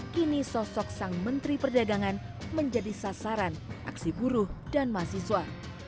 kini sosok sang menteri perdagangan menjadi sasaran aksi buruh dan mahasiswa